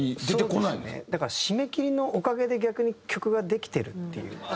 だから締め切りのおかげで逆に曲ができてるっていう。